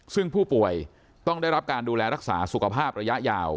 ซึ่งผู้ป่วยต้องได้รับการดูแลรักษาสุขภาพระยะยาว